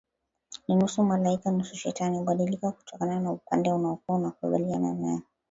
Ni nusu malaika nusu shetani hubadilika kutokana na upande unaokua unakabiliana nae